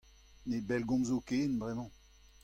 Ne bellgomzo ken bremañ.